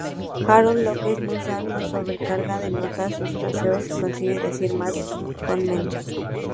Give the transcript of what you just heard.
Harold López-Nussa, no sobrecarga de notas sus fraseos y consigue decir más con menos.